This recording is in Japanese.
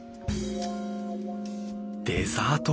デザート